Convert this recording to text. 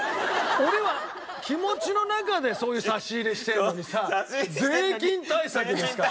俺は気持ちの中でそういう差し入れしてるのにさ「税金対策ですか？」。